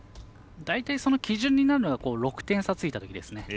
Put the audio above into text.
大体、基準になるのは６点差ついたときです。